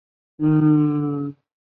生意刚刚起步